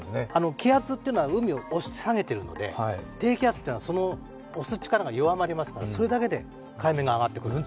気圧というのは海を押し下げているので低気圧というのはその押す力が弱まりますから、それだけで海面が上がってくる。